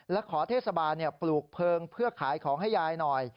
และขอเทศบาลปลูกเพลิงเพื่อขายของให้ยายหน่อย